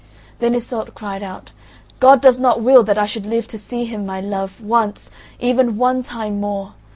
Then Iseult cried out: "God does not will that I should live to see him, my love, once—even one time more.